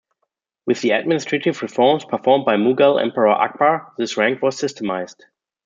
With the administrative reforms performed by Mughal emperor Akbar, this rank was systemised.